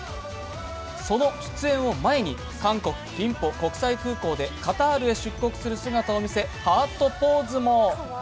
その出演を前に、韓国・キンポ国際空港でカタールへ出国する姿を見せハートポーズも。